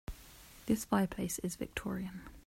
This fireplace is victorian.